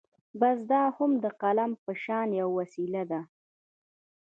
بس دا هم د قلم په شان يوه وسيله ده.